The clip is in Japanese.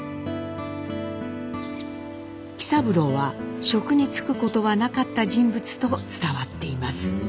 喜三郎は職に就くことはなかった人物と伝わっています。